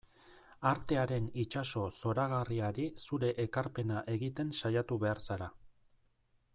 Artearen itsaso zoragarriari zure ekarpena egiten saiatu behar zara.